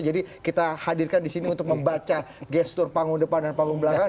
jadi kita hadirkan disini untuk membaca gestur panggung depan dan panggung belakang